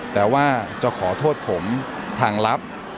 แต่ว่าจะขอโทษผมทางลับ